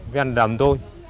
vên đầm thôi